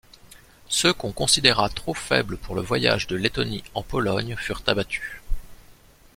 Ceux qu'on considéra trop faibles pour le voyage de Lettonie en Pologne furent abattus.